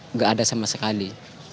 nggak ada sama sekali